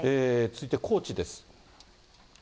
続いて高知です。